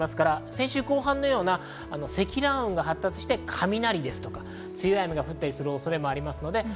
先週後半のような積乱雲が発達して、雷ですとか強い雨が降ったりする恐れもあります。